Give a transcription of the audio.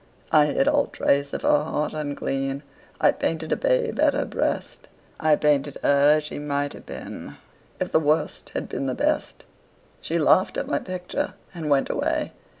I hid all trace of her heart unclean; I painted a babe at her breast; I painted her as she might have been If the Worst had been the Best. She laughed at my picture and went away.